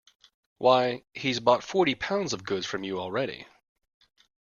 Why, he's bought forty pounds of goods from you already.